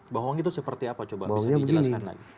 bohong itu seperti apa coba bisa dijelaskan lagi